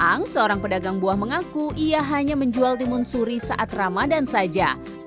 ang seorang pedagang buah mengaku ia hanya menjual timun suri saat ramadan saja